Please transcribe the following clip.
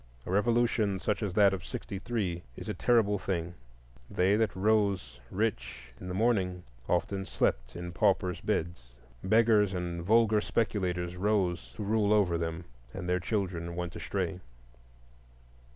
A revolution such as that of '63 is a terrible thing; they that rose rich in the morning often slept in paupers' beds. Beggars and vulgar speculators rose to rule over them, and their children went astray.